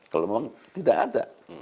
kalau memang tidak ada